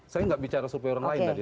saya nggak bicara survei orang lain tadi